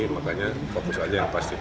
makanya fokus saja yang paling penting